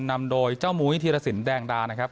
นำโดยเจ้ามุ้ยธีรสินแดงดานะครับ